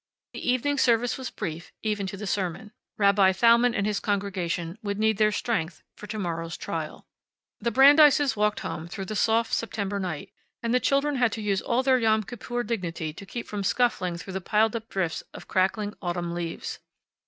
The evening service was brief, even to the sermon. Rabbi Thalmann and his congregation would need their strength for to morrow's trial. The Brandeises walked home through the soft September night, and the children had to use all their Yom Kippur dignity to keep from scuffling through the piled up drifts of crackling autumn leaves.